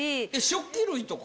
食器類とか？